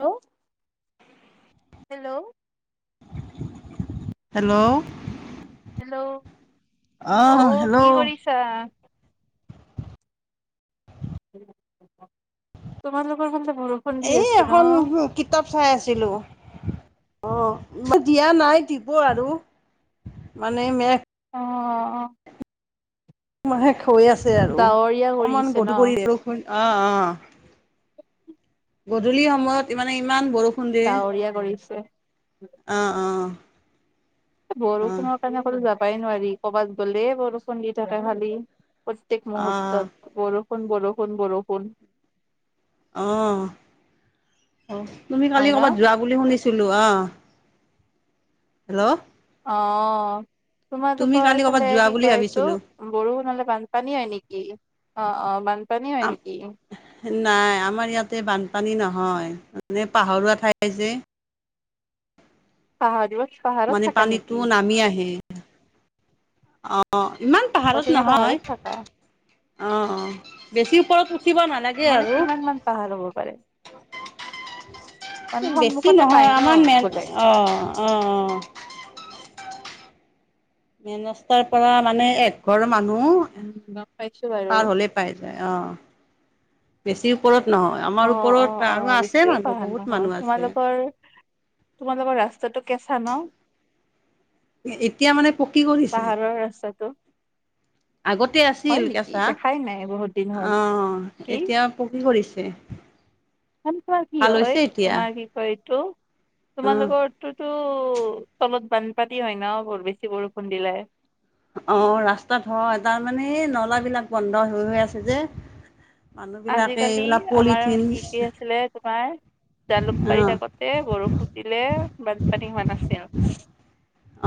Hello! Hello! Hello! Hello! আহ অ' hello কি কৰিছা? তোমালোকৰ ফালে বৰ এই এখন [unintelligible] কিতাপ চাই আছিলো। অঁ দিয়া নাই, দিব আৰু। মানে মে অহহ অ'। মানে হৈ আছে আৰু ডাৱৰীয়া অকমান কৰিছে ন গধূলি কৰি অহ অহ। গধূলি সময়ত মানে ইমান বৰষুণ দিয়ে। বিয়া কৰিছে। অহ অহ। বৰষুণৰ কাৰণে কতো যাবাই নোৱাৰি কবাত গ'লেই বৰষুণ দি থাকে খালি। প্ৰত্যেক অ মুহূৰ্তত বৰষুণ বৰষুণ বৰষুণ। অহ অহ তুমি কালি হয় ন? ক'বাত যোৱা বুলি শুনিছিলোঁ অহ হেল্ল' অহ তুমি কালি তোমালোকৰ কৰ'বাত ফালে যোৱা কি বুলি কয় এইটো। ভাবিছিলো বৰষুণহলে বানপানী হয় নেকি অ অ বানপানী হয় নেকি। নাই আমাৰ ইয়াতে বানপানী নহয় মানে পাহৰুৱা ঠাই যে। পাহাৰ যে। মানে পানীতো নামি আহে অ। অঁ ইমান অ পাহাৰত তুমি নহয় পাহাৰত থাকা? অঁ বেছি ওপৰত উঠিব না মানে কিমান মান পাহাৰ হ'ব পাৰে। মানে বেছি সন্মুখতে পাই নহয় ন আমাৰ মেন গ'লে। অঁ অঁ অঁ। মেন ৰাস্তা পৰা মানে এঘৰ মানুহ। উম গম পাইছোঁ বাৰু। পায় যায় অঁ বেছি ওপৰত নহয়। আমাৰ অঁ ওপৰত অঁ অঁ আৰু আছে বেছিও মানুহ পাহাৰ বহুত নহয় মানুহ আছে তোমালোকৰ তোমালোকৰ ৰাস্তাটো কেঁচা ন এতিয়া মানে পকী কৰিছে পাহাৰৰ ৰাস্তাটো। আগতে হয় আছিল নেকি কেঁচা দেখাই নাই বহুত দিন হ'ল অহ কি এতিয়া পকী কৰিছে। কিমান বা কি ভাল হয় হৈছে এতিয়া তোমাৰ কি কয় এইটো অ তোমালোকৰ। এইটো তলত বানপানী হয় ন বহুত বেছি বৰষুণ দিলে অহ ৰাস্তা ধ তাৰমানে এই নলা বিলাক বন্ধ হৈ হৈ আছে যে মানুহবিলাকে আজিকালি এইবিলাক আমাৰ পলিথিন কি কি আছিলে তোমাৰ জালুকবাৰীত অ' আগত। এ বৰষুণ দিলে বানপানী হোৱা চান্স আছে।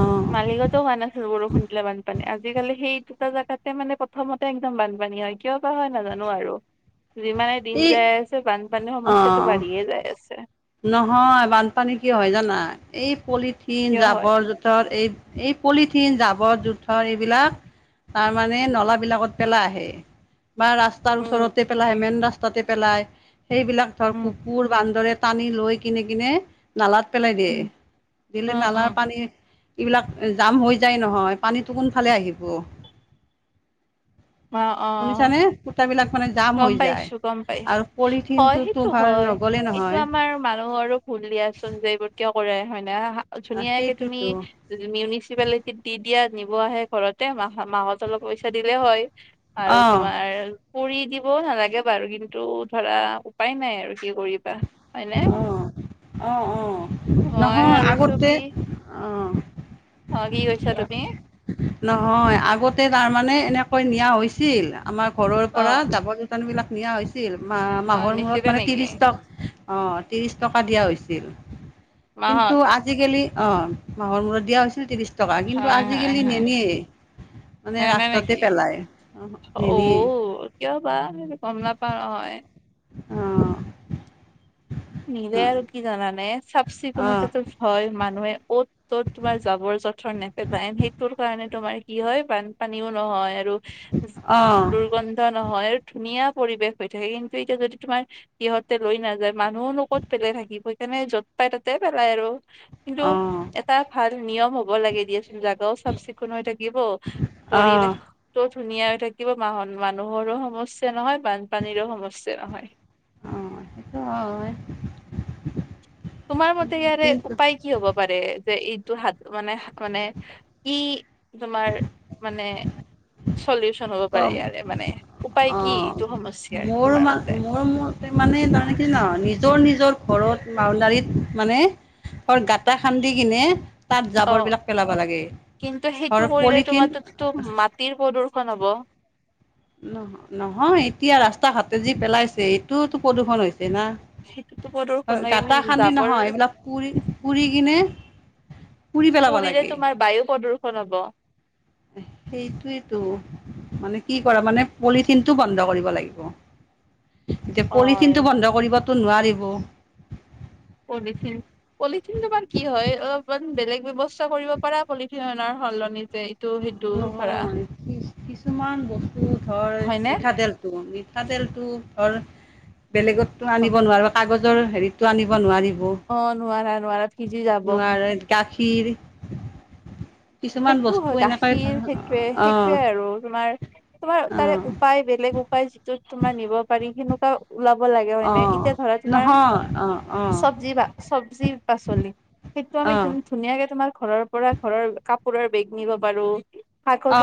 অ' মালিকত হোৱা নাছিল বৰষুণ হৈছিলে বানপানী আজিকালি সেই দুটা জাগাতে মানে প্ৰথমতে একদম বানপানী হয় কিয় বা হয় নাজানো আৰু যিমানে দিন এই যাই আছে বানপানীৰ সমস্যাটো অ' বাঢ়িয়ে যাই আছে। নহয় বানপানী কি হয় জানা এই পলিথিন কিয় হয় জাবৰ জোথৰ এই। এই পলিথিন জাবৰ জোথৰ এইবিলাক। তাৰ মানে নলা বিলাকত পেলাই আহে বা ৰাস্ত ৰাস্তাৰ উম ওচৰতে পেলাই মেইন ৰাস্তাতে পেলাই সেইবিলাক ধৰ উম কুকুৰ বান্দৰে। টানি লৈ কিনে কিনে নালাত পেলাই দিয়ে উম অ দিলে নালাৰ পানীৰ। এইবিলাক জাম হৈ যায় নহয় পানীতো কোনফালে আহিব। অহ অহ। শুনিছানে সূতাবিলাক মানে জাম গম হৈ যায়। পাইছোঁ গম আৰু পাইছোঁ হয় পলিথিনটোতো সেইটো ভাল হয় নগ'লে এইটো নহয় আমাৰ মানুহৰো। ভলিয়াচোন যে এইবোৰ কিয় কৰেই হয় ন আ, ধুনীয়াকে তুমি সেইটোতো মিউনিচিপালে দি দিয়া নিব আহে ঘৰতে মাহ মাহত অলপ পইচা দিলে হয়। আৰু অঁ তোমাৰ কোৰি দি। ক'ব নালাগে বাৰু কিন্তু ধৰা উপায় নাই আৰু কি কৰিবা। হয়নে? অহ অহ অহ মই নহয় ভাবিছো আগতে কি অহ অ' কি কৈছা কোৱা। তুমি? নহয় আগতে তাৰ মানে এনেকৈ নিয়া হৈছিল আমাৰ ঘৰৰ পৰা অ' জাবৰ-যোথ টন বিলাক নিয়া হৈছিল মা অ' মাহৰ মূৰত নিছিলে মানে নেকি? ত্ৰিছ টক অ ত্ৰিশ টকা দিয়া হৈছিল কিন্তু মাহত আ আজিকালি অ মাহৰ মূৰত দিয়া হৈছিল ত্ৰিশ টকা কিন্তু হয় হয় আজিকালি হয়। নিনিয়েই মানে জানা ৰাস্তাতে নেকি? পেলায় নিনিয়ে অ' কিয় বা সেইটো গম নাপাও নহয় অহঁ নিজে আৰু কি জানানে চাফ অঁ চিকুণতাটো ভয় মানুহে অত ত'ত তোমাৰ যাবৰ যথৰ নে সেইটোৰ কাৰণে তোমাৰ কি হয় বানপানীও নহয় আৰু অঁ দুৰ্গন্ ন্ধ নহয় আৰু ধুনীয়া পৰিৱেশ হৈ থাকে কিন্তু এতিয়া যদি তোমাৰ সিহঁতে লৈ নাযায় মানুহো ন ক'ত পেলাই থাকিব সেইকাৰণে য'ত পাই ততে পেলাই আৰু কিন্তু অঁ এটা ভাল নিয়ম হব লাগে দিয়াচোন জাগাও চাফ চিকুণ হৈ থাকিব অঁ পৰিৱেশ ত ধুনীয়া হৈ থাকিব মাহ মানুহৰো সমস্যা নহয় বানপানীৰো সমস্যা নহয় অ সেইটো হয় তোমাৰ মতে ইয়াৰে কিন্তু উপায় কি হব পাৰে যে এইটো হাত মানে মানে কি তোমাৰ মানে চলিউচন হব পাৰে অঁ ইয়াৰে মানে উপায় কি এইটো সমস্যাৰ মোৰ তোমাৰ মান মতে মোৰ মতে মানে তাৰমানে কি জানা নিজৰ নিজৰ ঘৰত বাওনডাৰীত মানে অৰ গাটা খান্দি কিনে তাত অ জাবৰ বিলাক পেলাব লাগে ঘৰত পলিথিন টো মাটিৰ প্ৰদূষণ হ'ব নহ নহয় এতিয়া ৰাস্তা ঘাটে যি পেলাইছে এইটোতো প্ৰদূষণ হৈছে না সেইটোতো প্ৰদূৰ্ষণ গাতা খান্দি জাবৰ নহয় এইবিলাক পুৰি পুৰি কিনে পুৰি পেলাব পুৰিলে লাগে তোমাৰ বায়ু প্ৰদূষণ হব সেইটোয়েতো মানে কি কৰা মানে পলিথিনটো বন্ধ কৰিব লাগিব এতিয়া হয় পলথিনটো বন্ধ কৰিবতো নোৱাৰিব পলিথিন পলিথিন তোমাৰ কি হয় অলপমান বেলেগ ব্যৱস্থা কৰিব পাৰা পলিথিন অনাৰ সলনি তই নহয় কি কিছুমান বস্তু ধৰ হয়নে মিঠাতেল মিঠাতেলতো ধৰ বেলেগতটো আনিব নোৱাৰো কাগজৰ হেৰিত টো আনিব নোৱাৰিব অ নোৱাৰা নোৱাৰা ভিজি যাব নোৱাৰে গাখীৰ কিছুমান বস্তু এনেক শিৰ সেইটোৱে সেইটোৱে আৰু তোমাৰ তোমাৰ তাৰে অঁ উপায় বেলেগ উপায় যিটোত তোমাৰ নিব পাৰি সেনেকুৱা ওলাব লাগে হয়নে অঁ এতিয়া ধৰা তোমাৰ নহয় অঁ অঁ চব্জি বা চব্জি পাচলি সেইটো আমি ত অঁ ধুনীয়াকে তোমাৰ ঘৰৰ পৰা ঘৰৰ কাপোৰৰ বেগ নিব পাৰো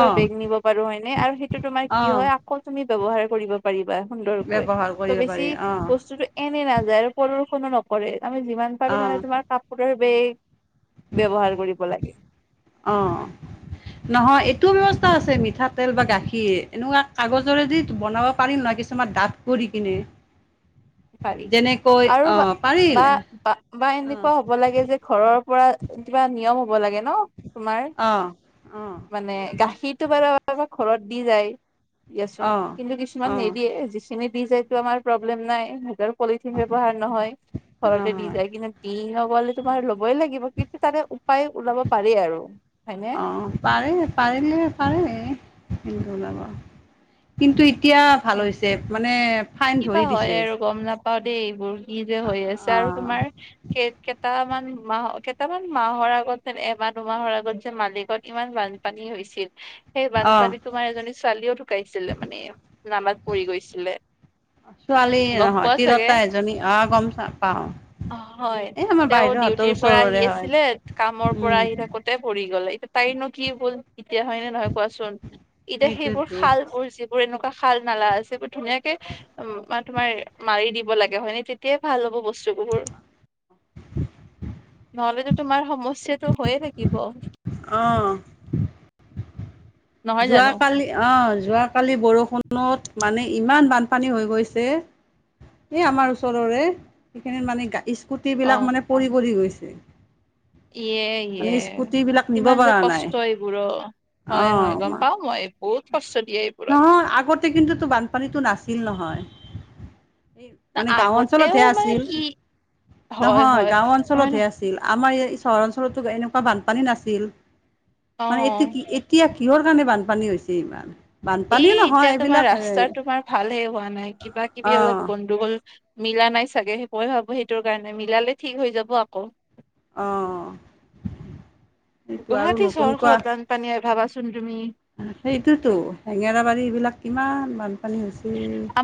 অঁ বেগ নিব পাৰো হয় নে আৰু সেইটো তোমাৰ কি অঁ হয় আকৌ তুমি ব্যৱহাৰ কৰিব পাৰিবা সুন্দৰকৈ ব্যৱহাৰ ত কৰিব বেছি পাৰি অঁ বস্তুতে এনেই নাযায় আৰু প্ৰদূষণো নকৰে আমি যিমান পাৰো অঁ মানে তোমাৰ কাপোৰৰ বেগ ব্যৱহাৰ কৰিব লাগে অঁ নহয়, এইটোও ব্যৱস্থা আছে। মিঠাতেল বা গাখীৰ এনেকুৱা কাগজেৰে যদি বনাব পাৰিম নাই, কিছুমান ডাঠ কৰি কিনে। পাৰি যেনেকৈ আৰু বা অঁ পাৰিল - বা অঁ এনেকুৱা হ'ব লাগে যে ঘৰৰ পৰা কিবা নিয়ম হ'ব লাগে ন। তোমাৰ, অঁ অঁ মানে গাখীৰটো বাৰু ঘৰত দি যায়। দিয়াচোন কিন্তু অঁ কিছুমান অঁ নিদিয়ে, যিখিনি দি যায়টো আমাৰ প্ৰব্লেম নাই। সিহঁতৰ পলিথিন ব্যৱহাৰ নহয়, ঘৰতে দি নহয় যায় কিন্তু- দি সকলে তোমাৰ ল'বই লাগিব, কিন্তু তাৰে উপায় ওলাব পাৰি আৰু। অ', পাৰে, পাৰিলে পাৰে ওলাব কিন্তু এতিয়া- ভাল হৈছে, সেইটোৱে মানে ফাইন কিবা ধৰি হয় দিছে। আৰু গম নাপাও দেই, এইবোৰ কি যে হৈ আছে আৰু অঁ তোমাৰ। কেইটামান মাহ কেইটামান মাহৰ আগত যে এমাহ দুমাহৰ আগত যে মালিগাঁওত ইমান ভাল- পানী হৈছিল। সেই অঁ বানপানীত তোমাৰ এজনী ছোৱালীও ঢুকাইছিলে মানে, নামাত পৰি গৈছিলে। ছোৱালী গম নহয়, পোৱা চাগে তিৰোতা এজনী। অ', গম পাওঁ। হয়, এই আমাৰ তেওঁ বাইদেউহঁতৰ ডিউটিৰ পৰা আহি ওচৰৰে হয় আছিলে। কামৰ পৰা আহি থাকোঁ- তে পৰি গ'ল। এতিয়া তাইৰনো কি মূল, এতিয়া হয়নে। নহয় কোৱাচোন, এতিয়া সেইবোৰ সেইটোতো শাল বোৰ, যিবোৰ এনেকুৱা শাল নালা আছে। সেইবোৰ ধুনীয়াকে- উম্, বা তোমাৰ মাৰি দিব লাগে হয়নে, তেতিয়াই ভাল হ'ব বস্তু। নহ'লেতো তোমাৰ সমস্যাটো হৈয়ে থাকিব। অ', নহয় জানো যোৱাকালি অ', যোৱাকালি বৰষুণত মানে ইমান বানপানী হৈ গৈছে। এই আমাৰ ওচৰৰে, সেইখিনি মানে- অ স্কুটিবিলাক মানে পৰি পৰি গৈছে। ইয়ে মানে ইয়ে, স্কুটিবিলাক নিব ইমান যে পৰা নাই কষ্ট এইবোৰো, হয় হয়। গম অ' পাওঁ মই বহুত কষ্ট দিয়ে এইবোৰত। কিন্তু বানপানীটো নাছিল নহয়। এই মানে গাওঁ আগতেও অঞ্চলতহে মানে আছিল, কি হয় নহয় হয় গাওঁ নহয় ন অঞ্চলতহে আছিল। আমাৰ এই চহৰ অঞ্চলতটো এনেকুৱা বানপানী নাছিল, মানে অ এইটো কি এতিয়া কিহৰ কাৰণে বানপানী হৈছে ইমান। বানপানী এই নহয় এতিয়া তোমাৰ এইবিলাক ৰাস্তা তোমাৰ ভালই হোৱা নাই, কিবা-কিবি অ' অলপ গণ্ডগোল মিলা নাই চাগে, সেইটোৱে ভাবোঁ। সেইটোৰ কাৰণে মিলালে ঠিক হৈ যাব আকৌ। অ', সেইটো আৰু গুৱাহাটী নতুনকৈ চহৰখনত বানপানী ভাবাচোন তুমি। সেইটোতো, হেঙেৰাবাৰী এই বিলাক কিমান বানপানী হৈছে।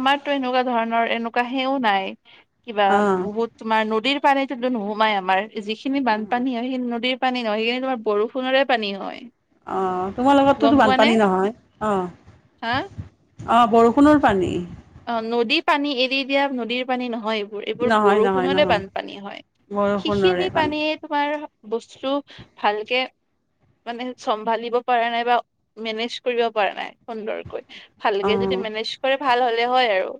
আমাৰতো এনেকুৱা ধৰণৰ, এনেকুৱা সেও নাই কিবা অঁ বহুত। তোমাৰ নদীৰ পানীতো নোসোমাই, আমাৰ যিখিনি বানপানী হয় সেইখিনি নদীৰ- পানী হয়, সেইখিনি তোমাৰ বৰষুণৰে পানী হয়। অ', গম তোমালোকৰটোতো পোৱা নে বানপানী নহয় হা অ'। অ', বৰষুণৰ পানী। অ', নদীৰ পানী এৰি দিয়া, নদীৰ পানী নহয়। এইবোৰ নহয় নহয় বৰষুণৰে নহয় বানপানী হয়, বৰষুণৰে সেইখিনি পানী পানীত- তোমাৰ বস্তু ভালকে- মানে চম্ভালিব পৰা নাই বা মেনেজ কৰিব পৰা নাই। সুন্দৰকৈ, ভালকে অঁ যদি মেনেজ কৰে ভাল হ'লে হয় আৰু।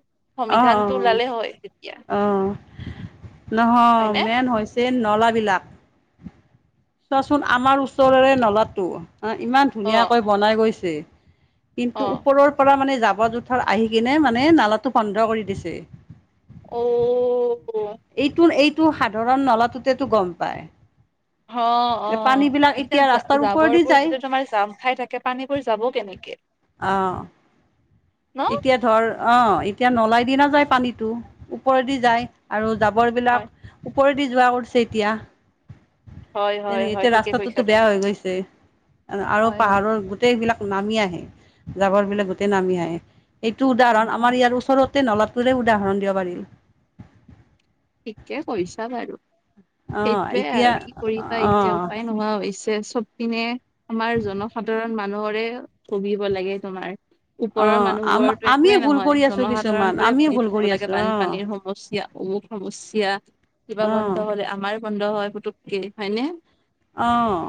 অ অ সংবিধানটো ওলালে হয় তেতিয়া অ নহয় হয়নে মেইন হৈছে ট্ৰেইন নলাবিলাক চোৱাচোন আমাৰ ওচৰৰে নলাটো ইমান অ ধুনীয়াকৈ বনাই গৈছে অ কিন্তু ওপৰৰ পৰা মানে জাবৰ জোথৰ আহি কিনে মানে নালাটো বন্ধ কৰি দিছে অ এইটো এইটো সাধাৰণ নলাটোতেটো গম পায় অ অ অ পানীবিলাক এতিয়া ৰাস্তাৰ তেতিয়া ওপৰেদি জাবৰবোৰ যায় যেতিয়া তোমাৰ জাম খাই থাকে পানীবোৰ যাব কেনেকে অ ন এতিয়া ধৰ অ এতিয়া নলাই দি নাযায় পানীটো ওপৰেদি যায় আৰু জাবৰ হয় বিলাক ওপৰেদি যোৱা কৰিছে এতিয়া হয় হয় তেনেক হয় এতিয়া ঠিকে কৈছা ৰাস্তাটোতো বেয়া তুমি হৈ গৈছে আৰু হয় হয় পাহাৰৰ গোট গোটেইবিলাক নামি আহে জাবৰ বিলাক গোটেই নামি আহে এইটো উদাহৰণ আমাৰ ইয়াৰ ওচৰত নলাটোৰে উদাহৰণ দিব পাৰি ঠিকে কৈছা বাৰু অঁ সেইটোয়ে এতিয়া আৰু কি কৰিবা এতিয়া অঁ উপায় নোহোৱা হৈছে চবপিনে আমাৰ জনসাধাৰণ মান মানুহৰে কবিব লাগে তোমাৰ ওপৰৰ অঁ আম মানুহবোৰৰ টো আমিয়ে একোৱেই ভুল নহয় কৰি আছোঁ জনসাধাৰণ কিছুমান বোৰে আমিয়ে ভুগি ভুল থাকিব কৰি লাগে আছোঁ অঁ বানপানীৰ সমস্যা অমুক সম কুচিয়া কিবা অ', বন্ধ হলে আমাৰো বন্ধ হয় পুতুককে হয়নে অঁ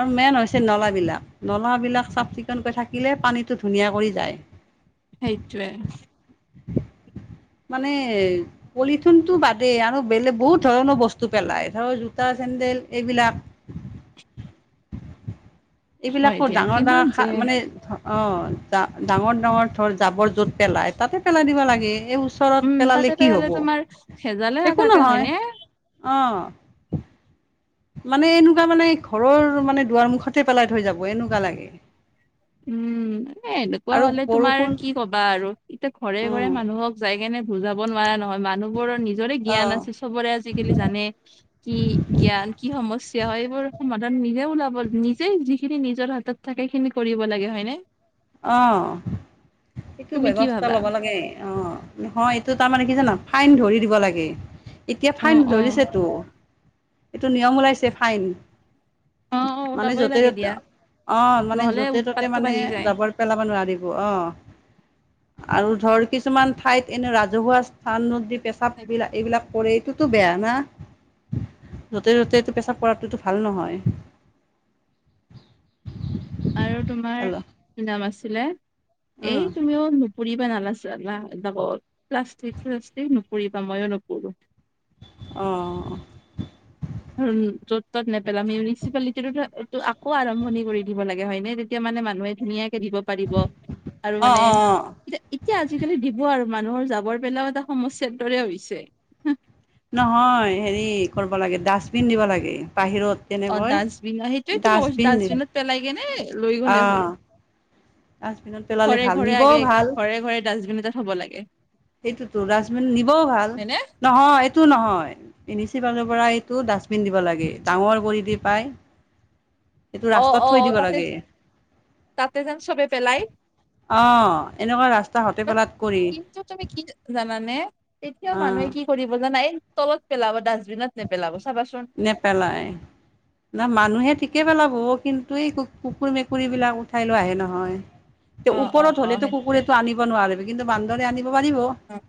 আৰু মেইন হৈছে নলাবিলাক নলাবিলাক চাফ চিকুণকৈ থাকিলে পানীটো ধুনীয়া কৰি যায় সেইটোৱে মানে পলিথিনটো বাদে আৰু বেলেগ বহুত ধৰণৰ বস্তু পেলায় ধৰ জোতা চেণ্ন্দেল এইবিলাক হয় এইবিলাকো দিয়া ডাঙৰ কিমান ডাঙৰ যে খা মানে অ ডাঙৰ ডাঙৰ ধৰ জাবৰ য'ত পেলাই তাতে পেলাই দিব লাগে এই ওচৰত উম পেলালে তাতে কি হ'ব তোমাৰ ভেজালে একো নাথাকে নহয় হয়নে অ মানে এনেকুৱা মানে ঘৰৰ মানে দুৱাৰ মুখতে পেলাই থৈ যাব এনেকুৱা লাগে উম এ এনেকুৱা আৰু হলে তোমাৰ বৰষুণ কি কবা আৰু এতিয়া ঘৰে ঘৰে উম, মানুহক যাই কেনে বুজাব নোৱাৰা নহয় মানুহবোৰৰ নিজৰে জ্ঞান অ'। আছে চবৰে আজিকালি জানে কি জ্ঞান কি সমস্য এইবোৰ সমাধান নিজে ওলাব নিজে যিখিনি নিজৰ হাতত তাকে খিনি কৰিব লাগে হয় নে অঁ সেইটো তুমি কি ব্যৱস্থা ভাবা? ল'ব লাগে অ হয় এইটো তাৰমানে কি জান ফাইন ধৰি দিব লাগে এতিয়া অ ফাইন অ ধৰিছেতো এইটো নিয়ম ওলাইছে ফাইন অ অ মানে ওলাবই য'তে লাগে ত'তে দিয়া অ মানে নহলে য'তে ত'তে উৎপাতটো মানে বাঢ়ি যায় জাবৰ পেলাব নোৱাৰিব অ আৰু ধৰ কিছুমান ঠাইত এনে ৰাজহুৱা স্থান নদী পেচাব বিলাক এইবিলাক কৰে এইটো টো বেয়া না য'তে ত'তেটো পেচাব কৰাটোতো ভাল নহয় [inaudible] আৰু তোমাৰ হেল্ল' কি নাম আছিলে অঁ এই তুমিও পুৰিবা নালাছে জাবৰ প্লাষ্টিক শ্লাষ্টিক নুপুৰিবা মইও নুপুৰো অ অ য'ত ত'ত নেপেলাম মিউনিচিপালিটি টো আকৌ আৰম্ভণি কৰি দিব লাগে হয় নে তেতিয়া মানে মানুহে ধুনীয়াকে দিব পাৰিব, আৰু অঁ মানে অঁ অঁ এ এতিয়া আজিকালি দিব আৰু মানুহৰ যাবৰ পেলাও এটা সমস্যাৰ দৰে হৈছে। নহয় হেৰি কৰিব লাগে, ডাষ্টবিন দিব লাগে বাহিৰত। অ তেনেকৈ ডাষ্টবিন সেইটোৱে টো কৈ ডাষ্টবিন ডাষ্টবিনত পেলাই কেনে লৈ গলে হ'ল। আহ ডাষ্টবিনত পেলালে ঘৰে ভাল ঘৰে নিবও আগে আগে ভাল ঘৰে ঘৰে ডাষ্টবিন এটা থ'ব লাগে। সেইটোতো ডাষ্টবিন নিবও ভাল, হয়নে নহয় ইটো নহয় এনিচি পালৰ পৰা এইটো ডাষ্টবিন দিব লাগে, ডাঙৰ কৰি দি পাই। এইটো অ ৰাস্তাত অ থৈ অ দিব তাতে লাগে তাতে যেন চবে পেলাই। অ এনেকুৱা ৰাস্তা হতে পেলাত কৰি কিন্তু তুমি কি জানানে এতিয়া অ মানুহে কি কৰিব জানা, এই তলত পেলাব ডাষ্টবিনত নেপেলাব চাবাচোন। নেপেলাই। না মানুহে ঠিকে পেলাব, কিন্তু এই কুকুৰ মেকুৰী বিলাক উঠাই লৈ আহে নহয়। তিয়া অ অ ওপৰত অ হলেতো সেইটোৱে কুকুৰেতটো আনিব নোৱাৰিব, কিন্তু বান্দৰে আনিব পাৰিব। উম